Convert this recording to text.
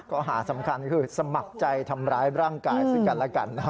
ข้อหาสำคัญคือสมัครใจทำร้ายร่างกายซึ่งกันแล้วกันนะฮะ